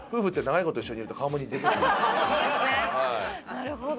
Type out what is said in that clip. なるほど。